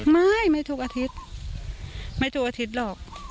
ไม่ไม่ทุกอาทิตย์ไม่ทุกอาทิตย์หรอก